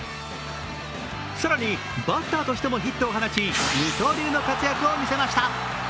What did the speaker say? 更にバッターとしてもヒットを放ち二刀流の活躍を見せました。